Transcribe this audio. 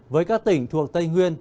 với các tỉnh thuộc tây nguyên